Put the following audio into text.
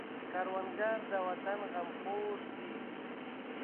کروندګر د وطن غمخور دی